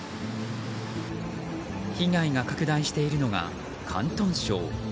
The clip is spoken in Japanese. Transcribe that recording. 被害が拡大しているのが広東省。